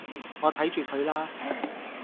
我睇住佢啦